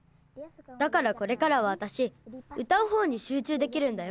だからこれからはわたし歌う方にしゅうちゅうできるんだよ。